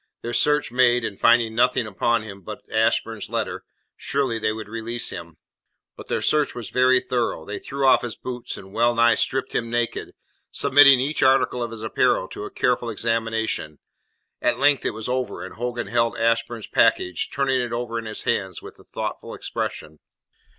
Their search made, and finding nothing upon him but Ashburn's letter, surely they would release him. But their search was very thorough. They drew off his boots, and well nigh stripped him naked, submitting each article of his apparel to a careful examination. At length it was over, and Hogan held Ashburn's package, turning it over in his hands with a thoughtful expression.